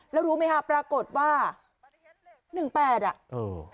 แล้วรู้ไหมคะปรากฏว่าหนึ่งแปดอ่ะเออ